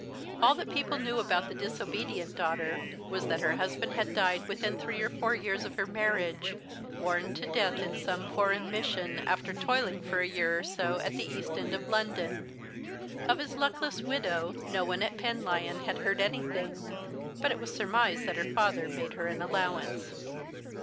All that people knew about the disobedient daughter was that her husband had died within three or four years of her marriage, worn to death in some foreign mission, after toiling for a year or so at the east end of London. Of his luckless widow no one at Penlyon had heard anything, but it was surmised that her father made her an allowance.